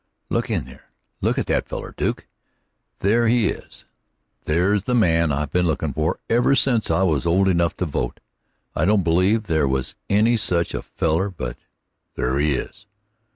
"Look in there look at that feller, Duke! There he is; there's the man I've been lookin' for ever since I was old enough to vote. I didn't believe there was any such a feller; but there he is!"